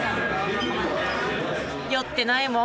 「酔ってないもん」